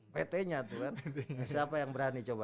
ptnya siapa yang berani coba